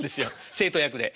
生徒役で。